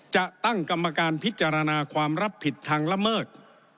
จะตั้งกรรมการพิจารณาความรับผิดทางละเมิด